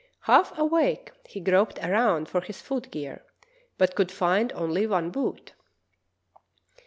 Half awake, he groped around for his foot gear, but could find only one boot.